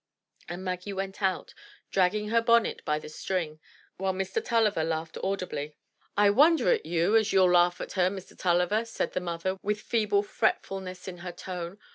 And Maggie went out, dragging her bonnet by the string, while Mr. Tulliver laughed audibly. " I wonder at you, as you'll laugh at her, Mr. Tulliver," said the mother with feeble fretfulness in her tone.